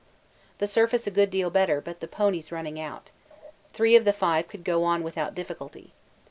The surface a good deal better, but the ponies running out. Three of the five could go on without difficulty.